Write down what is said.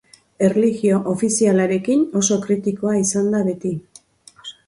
Erlijio ofizialarekin oso kritikoa izan da beti.